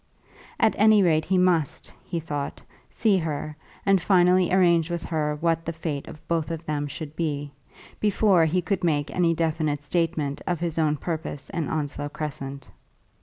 At any rate he must, he thought, see her, and finally arrange with her what the fate of both of them should be, before he could make any definite statement of his purpose in Onslow Crescent.